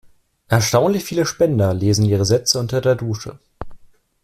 Erstaunlich viele Spender lesen ihre Sätze unter der Dusche.